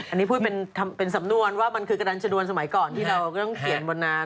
อันนี้พูดเป็นสำนวนว่ามันคือกระดันชนวนสมัยก่อนที่เราก็ต้องเขียนบนน้ำ